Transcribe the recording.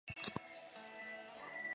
隶安庐滁和道。